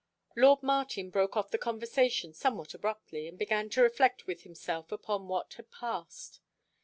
Lord Martin broke off the conversation somewhat abruptly, and began to reflect with himself upon what had passed.